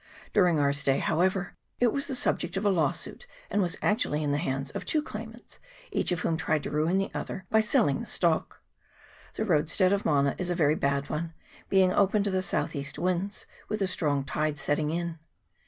During our stay, however, it was the subject of a lawsuit, and was actually in the hands of two claimants, each of whom tried to ruin the other by selling the stock. The roadstead of Mana is a very bad one, being open to the south east winds, with a strong tide setting in.